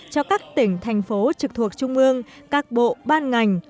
cho các tỉnh thành phố trực thuộc trung ương các bộ ban ngành